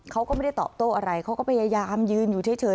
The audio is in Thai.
เขาก็ไม่ได้ตอบโต้อะไรเขาก็พยายามยืนอยู่เฉย